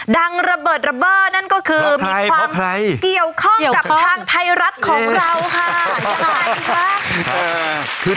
ดังระเบิดระเบอร์นั่นก็คือ